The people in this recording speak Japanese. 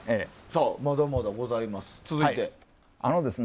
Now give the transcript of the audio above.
まだまだございます。